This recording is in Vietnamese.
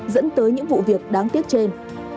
dẫn tới những vụ việc đáng tiếc trên